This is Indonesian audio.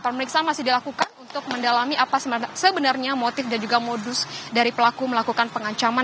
pemeriksaan masih dilakukan untuk mendalami apa sebenarnya motif dan juga modus dari pelaku melakukan pengancaman